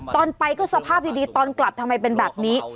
ตอนไปก็สภาพดีตอนกลับทำไมเป็นแบบนี้